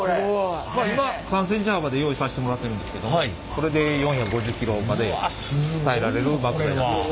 今３センチ幅で用意させてもらってるんですけどこれで４５０キロまで耐えられる膜になってます。